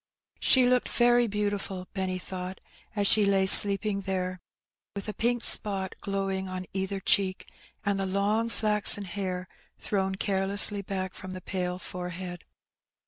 She looked very Roughing It. 25 beantifal^ Benny thought, as she lay sleeping there, with a pink spot glowing on either cheek, and the long flaxen hair thrown carelessly back from the pale forehead.